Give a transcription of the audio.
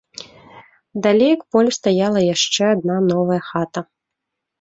Далей к полю стаяла яшчэ адна новая хата.